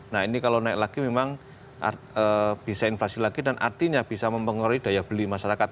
nah ini kalau naik lagi memang bisa inflasi lagi dan artinya bisa mempengaruhi daya beli masyarakat